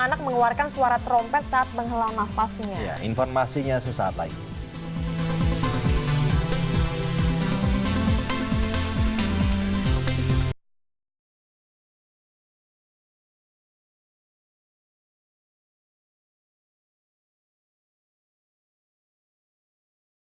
anak mengeluarkan suara trompet saat menghalau nafasnya informasinya sesaat lagi hai hai